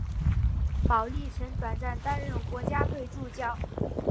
保历曾短暂担任国家队助教。